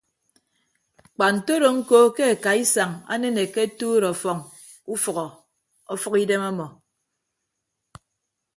Kpa ntodo ñko ke akaisañ anenekke atuut ọfọñ ufʌhọ ọfʌk idem ọmọ.